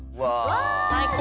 最高！